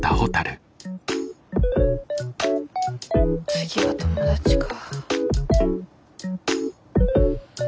次は友達か。